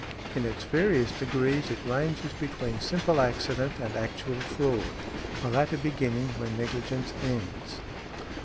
In its various degrees it ranges between simple accident and actual fraud, the latter beginning where negligence ends .